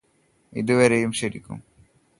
ഇതുവരെയും ശരിക്കും